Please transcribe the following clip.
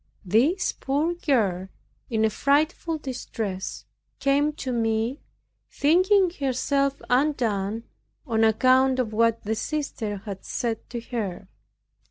This poor girl, in a frightful distress, came to me thinking herself undone on account of what the sister had said to her.